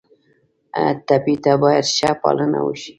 ټپي ته باید ښه پالنه وشي.